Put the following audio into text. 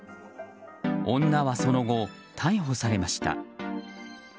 女はその後、逮捕されました。